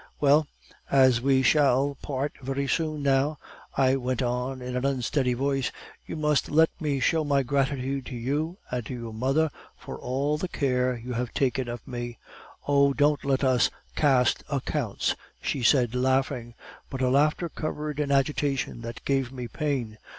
"'Well, as we shall part very soon, now,' I went on in an unsteady voice, 'you must let me show my gratitude to you and to your mother for all the care you have taken of me.' "'Oh, don't let us cast accounts,' she said laughing. But her laughter covered an agitation that gave me pain.